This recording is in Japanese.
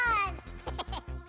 ヘヘヘ。